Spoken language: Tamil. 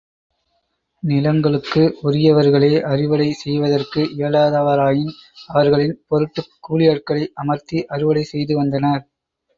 நிலங்களுக்கு உரியவர்களே அறுவடை செய்வதற்கு இயலாதவராயின் அவர்களின் பொருட்டுக் கூலியாட்களை அமர்த்தி அறுவடை செய்து வந்தனர்.